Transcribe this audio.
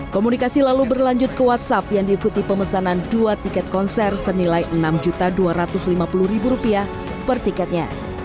komunikasi lalu berlanjut ke whatsapp yang diikuti pemesanan dua tiket konser senilai rp enam dua ratus lima puluh per tiketnya